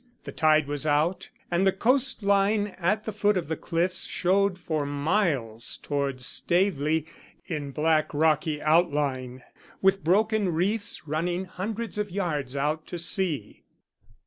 The tide was out, and the coastline at the foot of the cliffs showed for miles towards Staveley in black rocky outline, with broken reefs running hundreds of yards out to sea.